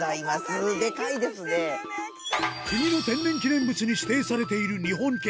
国の天然記念物に指定されている日本犬